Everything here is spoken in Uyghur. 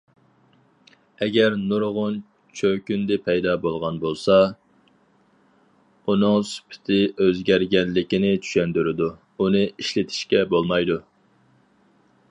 ئەگەر نۇرغۇن چۆكۈندى پەيدا بولغان بولسا، ئۇنىڭ سۈپىتى ئۆزگەرگەنلىكىنى چۈشەندۈرىدۇ، ئۇنى ئىشلىتىشكە بولمايدۇ.